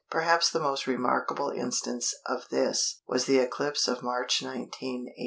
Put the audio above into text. Perhaps the most remarkable instance of this was the eclipse of March 19, 1848.